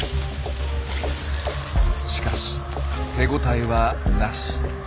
しかし手応えはなし。